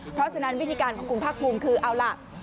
เพราะฉะนั้นวิธีการของคุณภาคภูมิคือเอาล่ะ